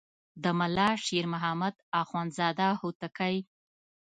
د ملا شیر محمد اخوندزاده هوتکی.